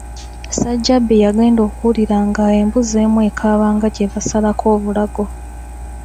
Ssajjabbi yagenda okuwulira nga embuzi emu ekaaba nga gye basalako obulago.